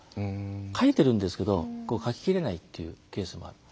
書いてるんですけど書ききれないっていうケースもある。